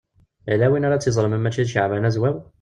Yella win ara tt-yeẓren ma mačči d Caɛban Azwaw?